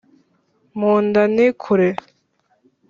Mu nda ni kure.